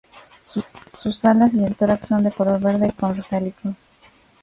Sus alas y el tórax son de color verde con reflejos metálicos.